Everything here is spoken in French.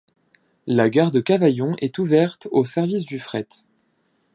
La gare de Cavaillon est ouverte au service du fret.